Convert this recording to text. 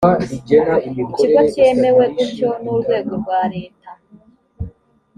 ikigo cyemewe gutyo n urwego rwa leta